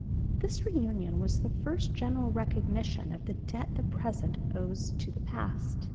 "This reunion was the first general recognition of the debt the present owes to the past.